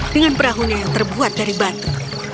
dengan perahunya yang terbuat dari batu